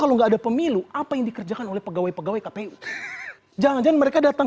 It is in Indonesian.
kalau nggak ada pemilu apa yang dikerjakan oleh pegawai pegawai kpu jangan jangan mereka datang